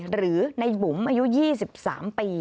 หรือในบุ๋มอายุ๒๓ปี